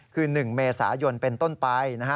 คือ๑เมษายนเป็นต้นไป